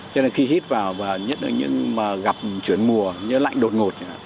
cho nên khi hít vào và nhất là những gặp chuyển mùa những lạnh đột ngột